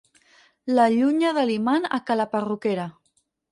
L'allunya de l'imant a ca la perruquera.